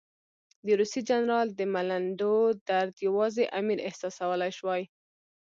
د روسي جنرال د ملنډو درد یوازې امیر احساسولای شوای.